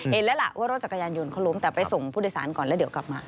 เห็นแล้วล่ะว่ารถจักรยานยนต์เขาล้มแต่ไปส่งผู้โดยสารก่อนแล้วเดี๋ยวกลับมา